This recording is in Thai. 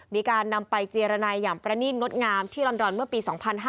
มีการนำไปเจรณัยอย่างประณิตงดงามที่ลอนดอนเมื่อปี๒๕๕๙